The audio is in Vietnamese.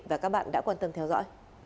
hẹn gặp lại các bạn trong những video tiếp theo